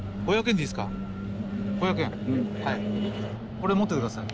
これ持ってて下さい。